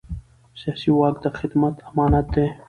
سیاسي واک د خدمت امانت دی